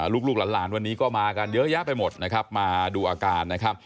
ลูกหลานวันนี้ก็มากันเยอะแยะไปหมดมาดูอาการ